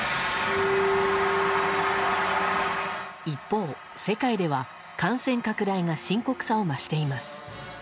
一方、世界では感染拡大が深刻さを増しています。